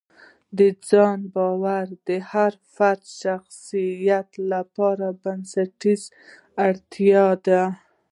د ځان باور د هر فرد شخصیت لپاره بنسټیزه اړتیا ده.